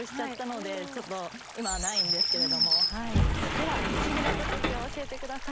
ではフシギな特技を教えてください。